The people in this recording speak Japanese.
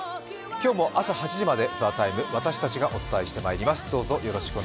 今日も朝８時まで、「ＴＨＥＴＩＭＥ，」私たちがお伝えしてまいります。